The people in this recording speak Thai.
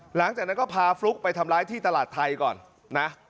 หลังจากนั้นก็พาฟลุ๊กไปทำร้ายที่ตลาดไทยก่อนนะ